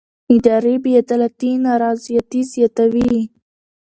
اداري بې عدالتي نارضایتي زیاتوي